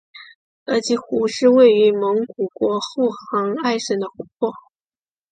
额吉湖是位于蒙古国后杭爱省的湖泊。